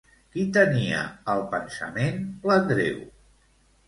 Qui tenia al pensament l'Andreu?